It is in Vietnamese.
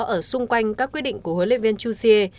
ở xung quanh các quyết định của huấn luyện viên chu xie